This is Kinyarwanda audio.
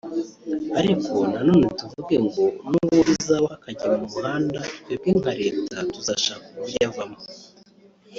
ariko nanone tuvuge ngo n’uwo bizabaho akajya mu muhanda twebwe nka Leta tuzashaka uburyo avamo